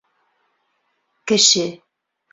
Кеше.